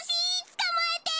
つかまえて。